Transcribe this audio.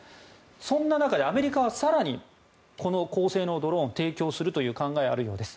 そんな中でアメリカは更にこの高性能ドローンを提供するという考えがあるようです。